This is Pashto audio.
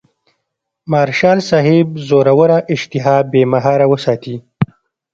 مارشال صاحب زوروره اشتها بې مهاره وساتي.